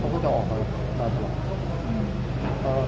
เขาก็จะออกความจริงได้ตลอด